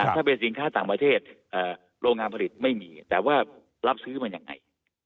ถ้าเป็นสินค้าต่างประเทศโรงงานผลิตไม่มีแต่ว่ารับซื้อมายังไง